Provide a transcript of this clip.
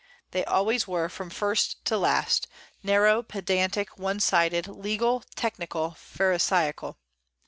They always were, from first to last, narrow, pedantic, one sided, legal, technical, pharisaical.